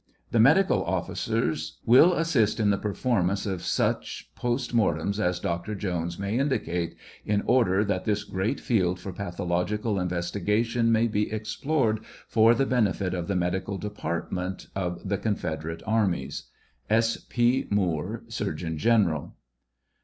The medical officers will assist in the performance of such post mortems as Dr. Jones may indicate, in order that this great field for pathological investi gation may be explored for the benefit of the medical department of the confederate ai mies. S. P. MOOKE, Surgeon General.